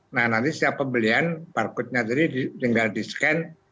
nah nanti setiap pembelian barcodenya tadi tinggal di scan